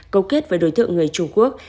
cấu kết với đối tượng người trung quốc